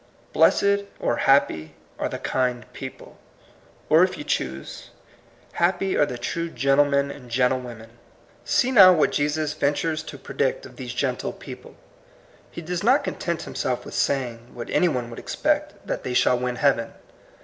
Blessed, or happy, are the kind people ; or, if you choose, Happy are the true gentlemen and gentlewomen. See now what Jesus ventures to predict THE PROPHECY, 8 of these gentle people. He does not con tent himself with saying, what any one would expect, that they shall win heaven.